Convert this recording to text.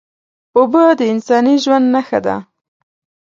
اوبه د انساني ژوند نښه ده